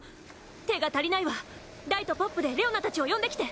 手が足りないわダイとポップでレオナたちを呼んできて。